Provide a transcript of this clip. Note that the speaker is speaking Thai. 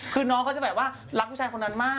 คือน้องเขาจะแบบว่ารักผู้ชายคนนั้นมาก